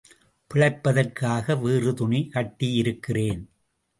பிழைப்பிற்காக வேறு துணி கட்டியிருக்கிறேன்.